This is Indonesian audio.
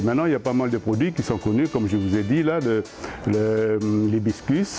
dan sekarang banyak produk yang terkenal seperti biskuit